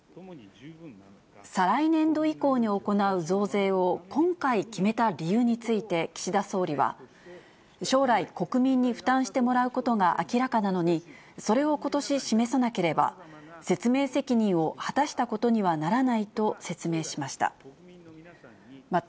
再来年度以降に行う増税を今回決めた理由について、岸田総理は、将来、国民に負担してもらうことが明らかなのに、それをことし示さなければ、説明責任を果たしたことにはならないと説明しました。